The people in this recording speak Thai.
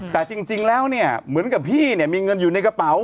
แต่จริงแล้วเนี่ยเหมือนกับพี่เนี่ยมีเงินอยู่ในกระเป๋า